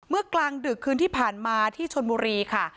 กลางดึกคืนที่ผ่านมาที่ชนบุรีค่ะ